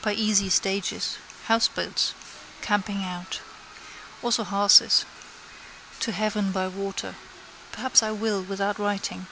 By easy stages. Houseboats. Camping out. Also hearses. To heaven by water. Perhaps I will without writing.